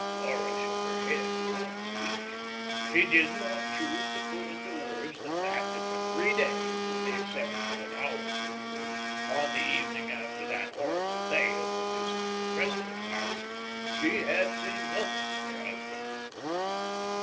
Laura shook her head, without speech. She did not choose to put into words the fact that for three days with the exception of an hour or two, on the evening after that horrible day of her visit to the Cresslers' house she had seen nothing of her husband.